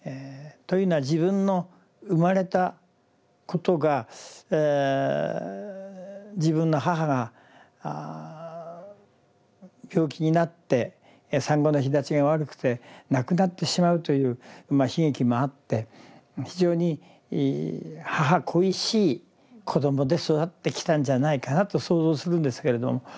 というのは自分の生まれたことが自分の母が病気になって産後の肥立ちが悪くて亡くなってしまうという悲劇もあって非常に母恋しい子どもで育ってきたんじゃないかなと想像するんですけれども。